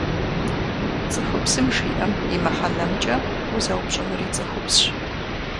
ЦӀыхубзым жиӏэм и мыхьэнэмкӀэ узэупщӀынури цӀыхубзщ.